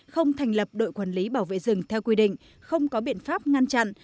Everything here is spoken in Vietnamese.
không thành lập đội quản lý bảo vệ rừng theo quy định không có biện pháp ngăn chặn